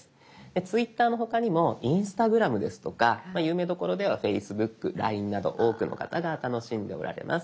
「Ｔｗｉｔｔｅｒ」の他にも「Ｉｎｓｔａｇｒａｍ」ですとか有名どころでは「Ｆａｃｅｂｏｏｋ」「ＬＩＮＥ」など多くの方が楽しんでおられます。